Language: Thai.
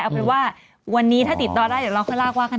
เอาเป็นว่าวันนี้ถ้าติดต่อได้เดี๋ยวเราค่อยลากว่ากัน